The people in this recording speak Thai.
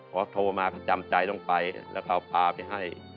พอโทรมาก็จำใจต้องไปแล้วก็เอาพาไปให้